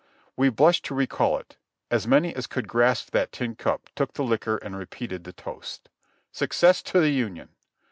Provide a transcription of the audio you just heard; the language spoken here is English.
We blush to recall it ; as many as could grasp that tin cup took the liquor and repeated the toast. "Success to the Union."